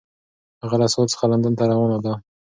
هغه له سوات څخه لندن ته روانه وه.